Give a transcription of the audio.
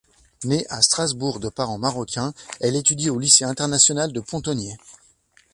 Née à Strasbourg de parents marocains, elle étudie au lycée international des Pontonniers.